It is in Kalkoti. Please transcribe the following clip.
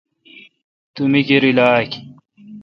تو می کیر الا اک۔